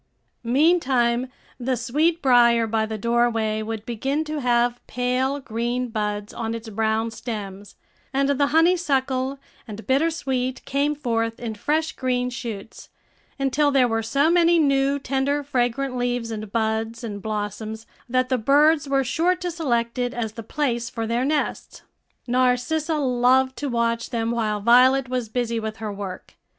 Meantime the sweetbrier by the doorway would begin to have pale green buds on its brown stems, and the honeysuckle and bitter sweet came forth in fresh green shoots, until there were so many new, tender, fragrant leaves, and buds, and blossoms that the birds were sure to select it as the place for their nests. Narcissa loved to watch them while Violet was busy with her work.